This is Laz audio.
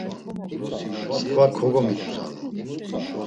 Msǩva kogomiduzanu.